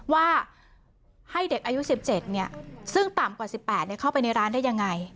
ว่าให้เด็กอายุสิบเจ็ดเนี้ยซึ่งต่ำกว่าสิบแปดเนี้ยเข้าไปในร้านได้ยังไง